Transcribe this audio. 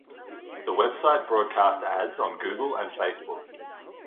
The website broadcast ads on Google and Facebook.